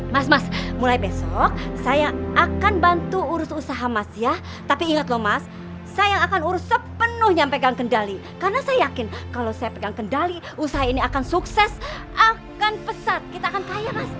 mas mas mulai besok saya akan bantu urus usaha mas ya tapi ingat loh mas saya yang akan urus penuhnya pegang kendali karena saya yakin kalau saya pegang kendali usaha ini akan sukses akan pesat kita akan kaya mas